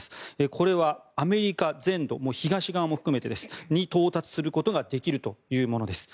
これはアメリカ全土東側も含めて到達することができるというものです。